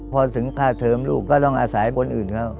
พอถึงค่าเทิมลูกก็ต้องอาศัยคนอื่นเขา